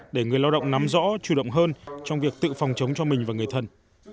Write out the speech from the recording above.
để người lao động nắm rõ chủ động hơn trong việc tự phòng chống cho mình và người thân